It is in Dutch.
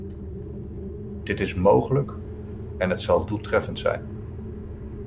Dit is mogelijk en het zal doeltreffend zijn.